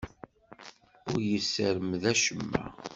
Ur yessermed acemma.